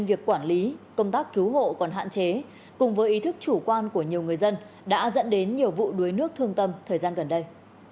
việc quản lý công tác cứu hộ còn hạn chế cùng với ý thức chủ quan của nhiều người dân đã dẫn đến nhiều vụ đuối nước thương tâm thời gian gần đây